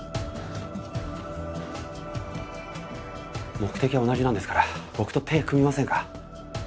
目的は同じなんですから僕と手組みませんか？